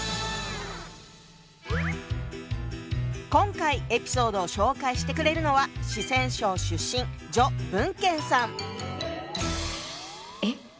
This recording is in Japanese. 今回エピソードを紹介してくれるのはを思い出したり。